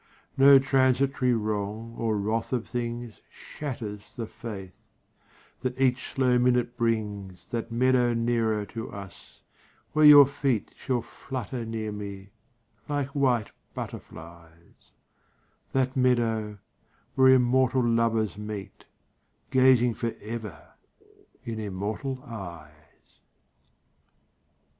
No transitory wrong or wrath of things Shatters the faith that each slow minute brings That meadow nearer to us where your feet Shall flutter near me like white butterfilies That meadow where immortal lovers meet, Gazing forever in immortal eyes.